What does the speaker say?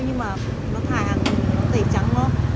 nhưng mà nó thải hàng này nó tẩy trắng lắm